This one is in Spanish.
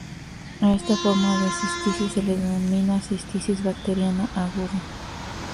A esta forma de cistitis se le denomina cistitis bacteriana aguda.